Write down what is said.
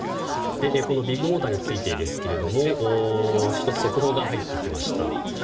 ビッグモーターについてですが１つ、速報が入ってきました。